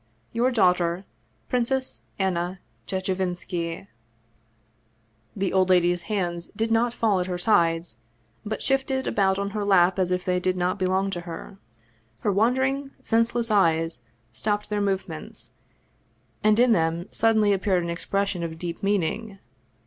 " Your daughter, " PRINCESS ANNA CHECHEVINSKI." The old lady's hands did not fall at her sides, but shifted about on her lap as if they did not belong to her. Her wandering, senseless eyes stopped their movements, and in them suddenly appeared an expression of deep meaning.